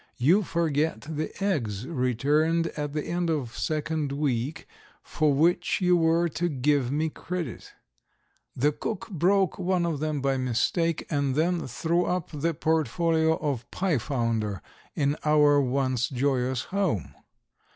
You forget the eggs returned at the end of second week, for which you were to give me credit. The cook broke one of them by mistake, and then threw up the portfolio of pie founder in our once joyous home.